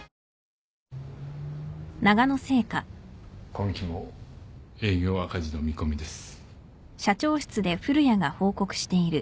⁉今期も営業赤字の見込みです。